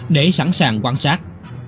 để sẵn sàng quan sát